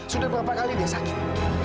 sudah berapa kali dia sakit